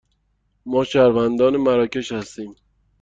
ما شهروندان مراکش هستیم.